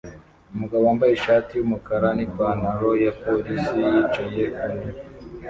Umugabo wambaye ishati yumukara nipantaro ya policei yicaye kuntebe